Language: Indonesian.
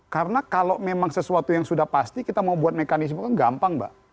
karena kalau memang sesuatu yang sudah pasti kita mau buat mekanisme kan gampang mbak